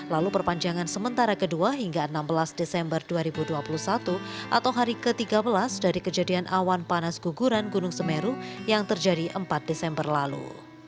lalu perpanjangan sementara kedua hingga enam belas desember dua ribu dua puluh satu atau hari ke tiga belas dari kejadian awan panas guguran gunung semeru yang terjadi empat desember lalu